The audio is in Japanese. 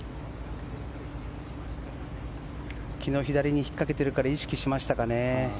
昨日左にひっかけているから意識しましたかね。